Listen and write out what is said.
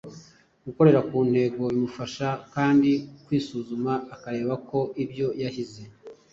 gukorera ku ntego. Bimufasha kandi kwisuzuma akareba ko ibyo yahize